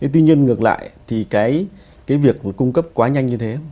tuy nhiên ngược lại thì cái việc cung cấp quá nhanh như thế